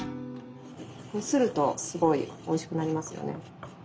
擦るとすごいおいしくなりますよね。